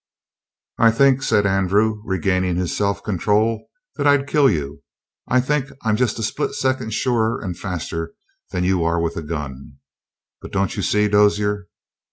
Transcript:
"I think," said Andrew, regaining his self control, "that I'd kill you. I think I'm just a split second surer and faster than you are with a gun. But don't you see, Dozier?"